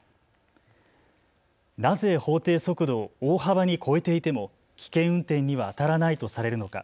なぜ法定速度を大幅に超えていても危険運転にはあたらないとされるのか。